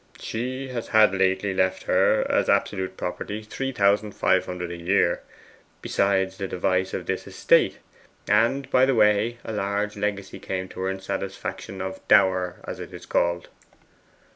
She has had lately left her as absolute property three thousand five hundred a year, besides the devise of this estate and, by the way, a large legacy came to her in satisfaction of dower, as it is called.